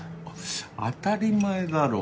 当たり前だろ。